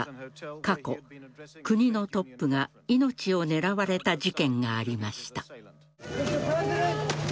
過去、国のトップが命を狙われた事件がありました。